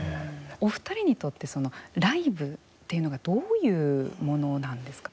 お二人にとってライブっていうのがどういうものなんですか。